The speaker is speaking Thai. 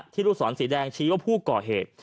ลูกศรสีแดงชี้ว่าผู้ก่อเหตุ